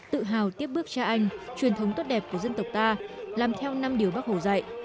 tự hào tiếp bước cha anh truyền thống tốt đẹp của dân tộc ta làm theo năm điều bắc hồ dạy